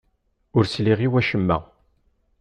Ur sliɣ i wacemma.